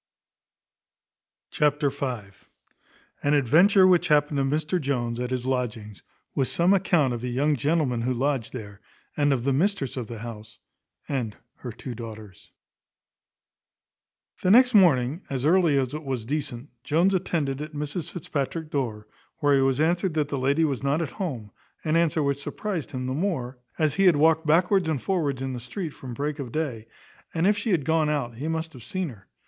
Chapter v. An adventure which happened to Mr Jones at his lodgings, with some account of a young gentleman who lodged there, and of the mistress of the house, and her two daughters. The next morning, as early as it was decent, Jones attended at Mrs Fitzpatrick's door, where he was answered that the lady was not at home; an answer which surprized him the more, as he had walked backwards and forwards in the street from break of day; and if she had gone out, he must have seen her.